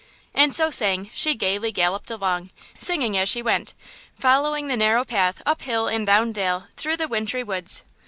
And, so saying, she gayly galloped along, singing as she went, following the narrow path up hill and down dale through the wintry woods.